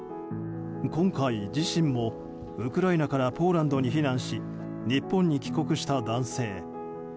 今回、自身もウクライナからポーランドに避難し日本に帰国した男性。